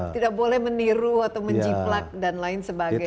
tidak boleh meniru atau menjiplak dan lain sebagainya